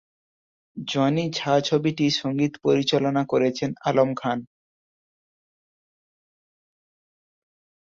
Johnny ছায়াছবিটির সঙ্গীত পরিচালনা করেছেন আলম খান।